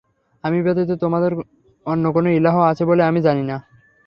আমি ব্যতীত তোমাদের অন্য কোন ইলাহ আছে বলে আমি জানি না।